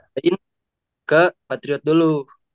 tapi ke patriot dulu